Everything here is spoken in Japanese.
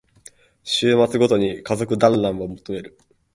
週末ごとに家族だんらんを求める